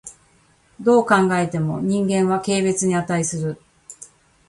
どう考えても人間は軽蔑に価する。